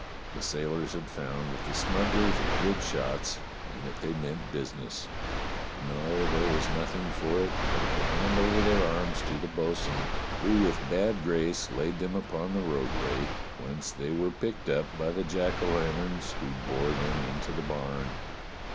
The sailors had found that the smugglers were good shots and that they meant busi ness. No, there was nothing for it but to hand over their arms to the bo'sun, who with bad grace laid them upon the roadway, whence they were picked up by the jack o' lanterns, who bore them into the barn.